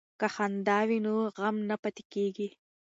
که خندا وي نو غم نه پاتې کیږي.